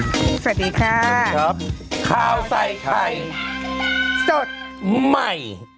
สวัสดีค่ะข้าวใส่ไข่สดใหม่